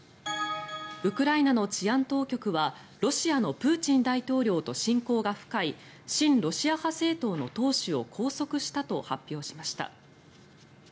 ウクライナの治安当局はロシアのプーチン大統領と親交が深い親ロシア派政党の党首を拘束したと発表しました。